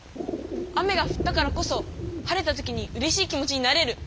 雨がふったからこそ晴れた時にうれしい気持ちになれる。